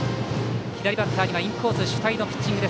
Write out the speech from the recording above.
左バッターにはインコース主体のピッチング。